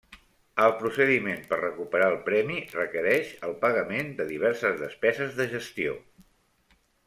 El procediment per recuperar el premi requereix el pagament de diverses despeses de gestió.